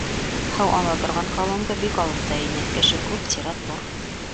Һыу ала торған колонка бик алыҫта ине; кеше күп, сират ҙур.